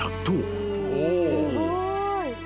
すごい。